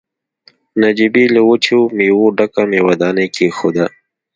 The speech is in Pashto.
نجيبې له وچو مېوو ډکه مېوه داني کېښوده.